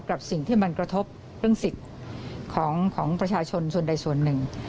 กับสิ่งที่มันกระทบเรื่องสิทธิ์ของประชาชนส่วนใดส่วนหนึ่ง